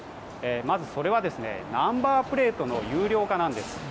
まず、それはナンバープレートの有料化なんです。